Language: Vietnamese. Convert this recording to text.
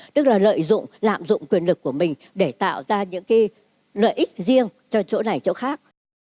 tức là lợi dụng lạm dụng quyền lực của mình để tạo ra những cái lợi ích riêng cho chỗ này chỗ khác